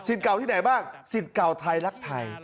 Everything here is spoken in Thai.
เก่าที่ไหนบ้างสิทธิ์เก่าไทยรักไทย